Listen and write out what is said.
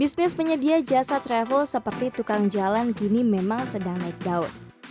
bisnis penyedia jasa travel seperti tukang jalan kini memang sedang naik daun